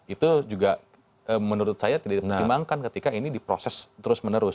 itu juga menurut saya tidak dipertimbangkan ketika ini diproses terus menerus